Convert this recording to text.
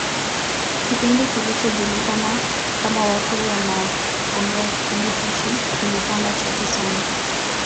kipindi kilichojulikana kama watu wanaongea kipindi hicho kilipanda chati sana